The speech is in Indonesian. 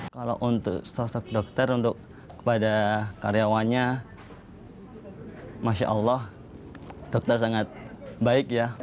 kalau untuk sosok dokter untuk kepada karyawannya masya allah dokter sangat baik ya